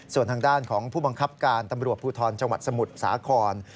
ส่วนทางด้านของผู้บังคับการตำรวจภูทรจังหวัดสมุทรสาคร